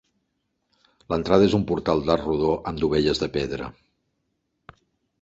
L'entrada és un portal d'arc rodó amb dovelles de pedra.